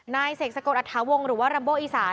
นายเสกสะกดอัตภาวงศ์หรือว่าลำโบอีสาน